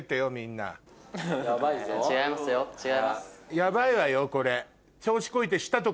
ヤバいわよこれ。